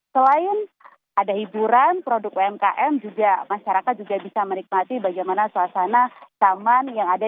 selain ada hiburan produk umkm juga masyarakat juga bisa menikmati bagaimana suasana taman yang ada